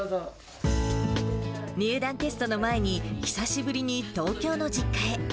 入団テストの前に、久しぶりに東京の実家へ。